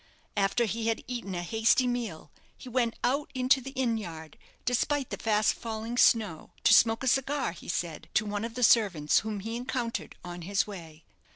After he had eaten a hasty meal, he went out into the inn yard, despite the fast falling snow, to smoke a cigar, he said, to one of the servants whom he encountered on his way.